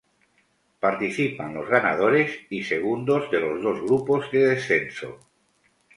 Participan los ganadores y segundos de los dos grupos de descenso.